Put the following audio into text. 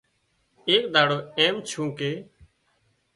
ايڪ ۮاڙو ايم ڇُون ڪي